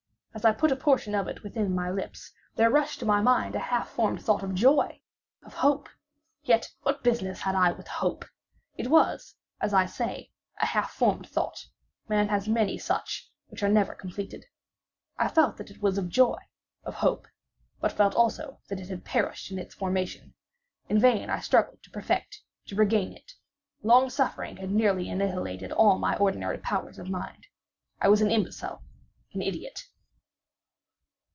As I put a portion of it within my lips, there rushed to my mind a half formed thought of joy—of hope. Yet what business had I with hope? It was, as I say, a half formed thought—man has many such, which are never completed. I felt that it was of joy—of hope; but felt also that it had perished in its formation. In vain I struggled to perfect—to regain it. Long suffering had nearly annihilated all my ordinary powers of mind. I was an imbecile—an idiot.